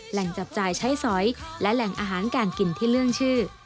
จับจ่ายใช้สอยและแหล่งอาหารการกินที่เรื่องชื่อ